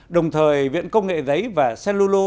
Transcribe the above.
đồng thời viện công nghệ giấy và cellulo